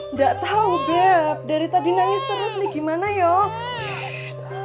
nggak tahu beb dari tadi nangis terus gimana yuk